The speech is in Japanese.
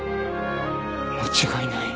間違いない。